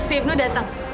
si ibnu datang